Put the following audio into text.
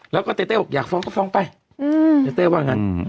แล้วก็เต้เต้บอกอยากฟ้องก็ฟ้องไปเต้เต้ว่างั้น